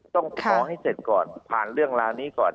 ต้องขอให้เสร็จก่อนผ่านเรื่องราวนี้ก่อน